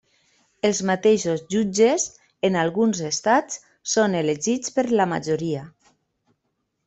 Els mateixos jutges, en alguns estats, són elegits per la majoria.